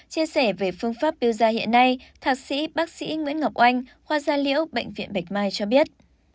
chia sẻ về phương pháp biêu da hiện nay thạc sĩ bác sĩ nguyễn ngọc oanh khoa gia liễu bệnh viện bạch mai cho biết